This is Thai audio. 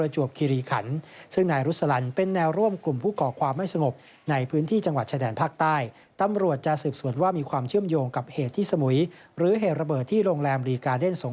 จังหวัดเผลอจวกคีรีคัณ